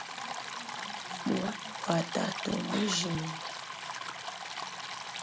Muhanu wa tutu mnujimine.